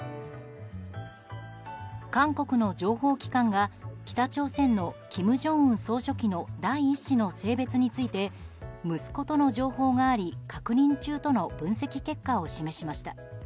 韓国の情報機関が、北朝鮮の金正恩総書記の第１子の性別について息子との情報があり確認中との分析結果を示しました。